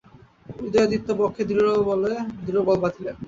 উদয়াদিত্য বক্ষে দৃঢ় বল বাঁধিলেন।